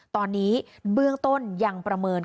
ตอนนี้เบื้องต้นยังประเมิน